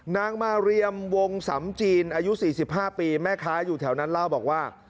นางมาเรียมวงสำจีนอายุ๔๕ปีแม่ค้าอยู่แถวนั้นเล่าบอกว่า